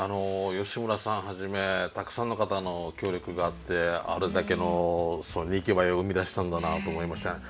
吉村さんはじめたくさんの方の協力があってあれだけの人気を生み出したんだなと思いましたね。